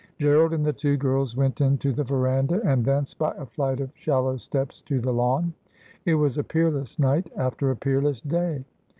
Gerald and the two girls went into the verandah, and thence by a flight of shallow steps to the lawn. It was a peerless night after a peerless day.